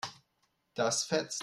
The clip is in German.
Das fetzt.